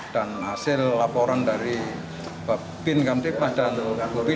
dan hasil laporan dari bapin ngam tipas dan bapin ngam bupi